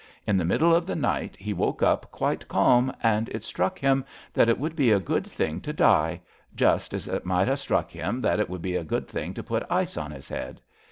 In the middle of the night he woke up quite calm, and it struck him that it would be a good thing to die — ^just as it might ha' struck him that it would be a good thing to put ice on his head.